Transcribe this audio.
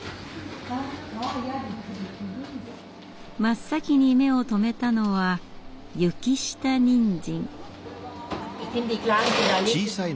真っ先に目を留めたのは雪下にんじん。